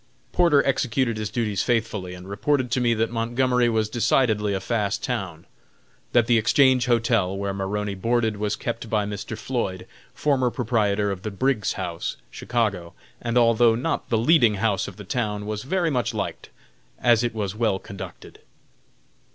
Porter executed his duties faithfully, and reported to me that Montgomery was decidedly a fast town; that the Exchange Hotel, where Maroney boarded, was kept by Mr. Floyd, former proprietor of the Briggs House, Chicago, and, although not the leading house of the town, was very much liked, as it was well conducted.